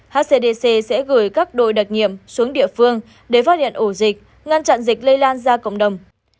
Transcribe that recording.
hcdc sẽ gửi các đội đặc nhiệm xuống địa phương để phát hiện ổ dịch ngăn chặn dịch lây lan ra cộng đồng